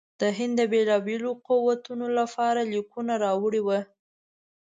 د هند د بېلو بېلو قوتونو لپاره لیکونه راوړي وه.